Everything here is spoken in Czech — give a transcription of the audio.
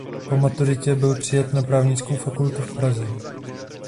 Po maturitě byl přijat na právnickou fakultu v Praze.